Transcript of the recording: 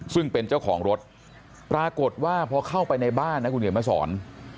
ซึ่งเป็นเจ้าของรถปรากฏว่าพอเข้าไปในบ้านนะคุณเขียนมาสอน